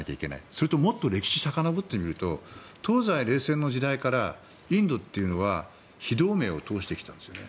それと、もっと歴史をさかのぼってみると東西冷戦の時代からインドというのは非同盟を通してきたんですよね。